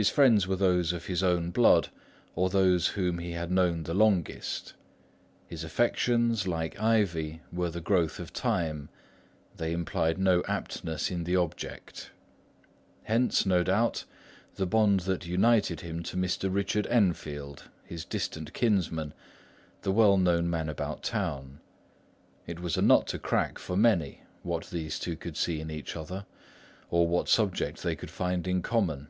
His friends were those of his own blood or those whom he had known the longest; his affections, like ivy, were the growth of time, they implied no aptness in the object. Hence, no doubt the bond that united him to Mr. Richard Enfield, his distant kinsman, the well known man about town. It was a nut to crack for many, what these two could see in each other, or what subject they could find in common.